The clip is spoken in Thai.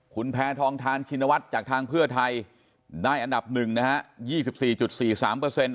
คุณแพทองทานชินวัฒน์จากทางเพื่อไทยได้อันดับหนึ่งนะฮะ๒๔๔๓เปอร์เซ็นต